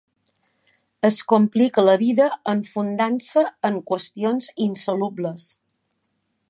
Es complica la vida enfundant-se en qüestions insolubles.